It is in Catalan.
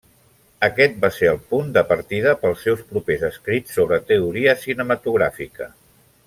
Aquest va ser el punt de partida pels seus propers escrits sobre teoria cinematogràfica.